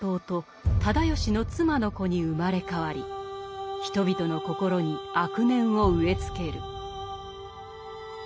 直義の妻の子に生まれ変わり人々の心に悪念を植え付ける。